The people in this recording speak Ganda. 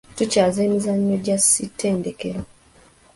Tukyaza emizannyo gya zi Ssettendekero.